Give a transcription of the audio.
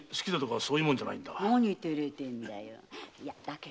何照れてるんだい。